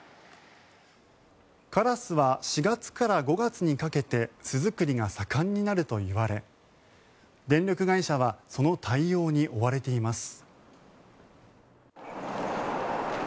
カラスは４月から５月にかけて巣作りが盛んになるといわれ電力会社はその対応に追われています。